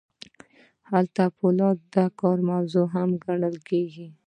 هلته فولاد د کار موضوع هم ګڼل کیږي.